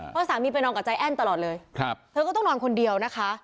เพราะสามีไปนอนกับใจแอ้นตลอดเลยเธอก็ต้องนอนคนเดียวนะคะ